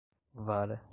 vara